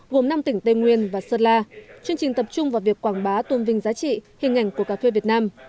gồm năm tỉnh tây nguyên và sơn la chương trình tập trung vào việc quảng bá tuân vinh giá trị hình ảnh của cà phê việt nam